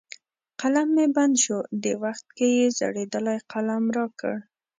قلم مې بند شو، دې وخت کې یې زړېدلی قلم را کړ.